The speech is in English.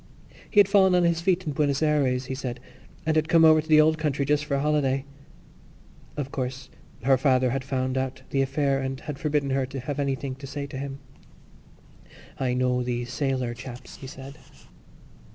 He had fallen on his feet in Buenos Ayres, he said, and had come over to the old country just for a holiday. Of course, her father had found out the affair and had forbidden her to have anything to say to him. "I know these sailor chaps," he said.